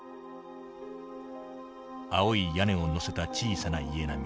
青い屋根を載せた小さな家並み